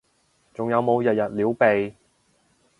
仲有冇日日撩鼻？